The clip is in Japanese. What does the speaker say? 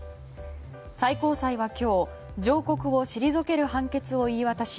最高裁は今日上告を退ける判決を言い渡し